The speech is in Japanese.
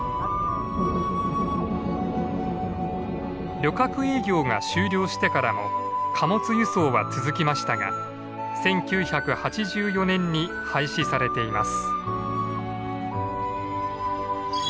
旅客営業が終了してからも貨物輸送は続きましたが１９８４年に廃止されています。